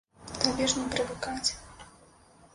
Табе ж не прывыкаць.